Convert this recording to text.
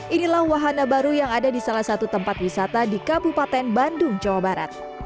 inilah wahana baru yang ada di salah satu tempat wisata di kabupaten bandung jawa barat